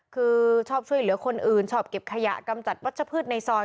คือชอบช่วยเหลือคนอื่นชอบเก็บขยะกำจัดวัชพืชในซอย